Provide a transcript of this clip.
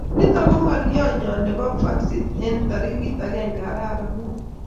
nitok ko ngolyonyo nebo faksit eng tarikit agenge arap angwan